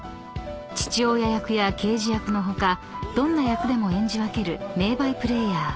［父親役や刑事役の他どんな役でも演じ分ける名バイプレーヤー］